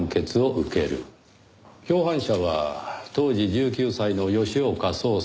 共犯者は当時１９歳の吉岡壮介。